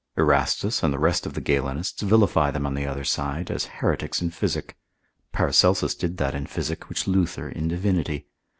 Erastus, and the rest of the Galenists vilify them on the other side, as heretics in physic; Paracelsus did that in physic, which Luther in Divinity.